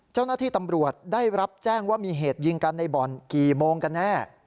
เจ้าหน้าที่ตำรวจได้รับแจ้งว่ามีเหตุยิงกันในบ่อนกี่โมงกันแน่